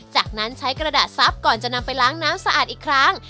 จากนั้นใช้กระดาษซับก่อนจะนำไปล้างน้ำสะอาดอีกครั้ง